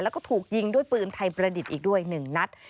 แล้วก็ถูกยิงด้วยปืนไทยประดิษฐ์อีกด้วย๑นัด